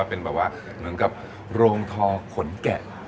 เป็นแบบว่าเหมือนกับโรงทอขนแก่